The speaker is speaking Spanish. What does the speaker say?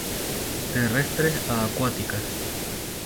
Terrestres a acuáticas.